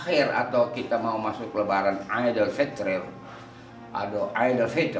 akhir atau kita mau masuk lebaran idul fitri